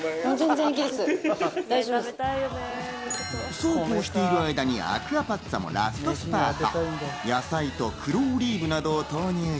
そうこうしている間に、アクアパッツァもラストスパート。